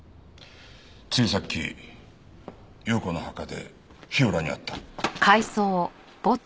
ついさっき有雨子の墓で火浦に会った。